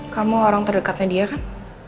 kamu orang terdekatnya dia kan